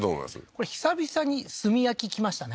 これ久々に炭焼き来ましたね